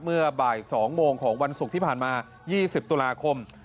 เมื่อบ่าย๒โมงของวันศุกร์ที่ผ่านมา๒๐ตุลาคม